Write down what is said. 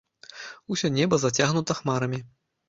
Усе неба зацягнута хмарамі.